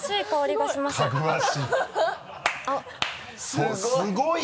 すごい